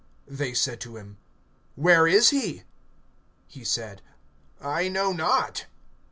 (12)They said to him: Where is he? He said: I know not.